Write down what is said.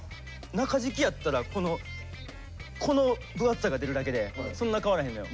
中敷きやったらこのこの分厚さが出るだけでそんな変わらへんのよ。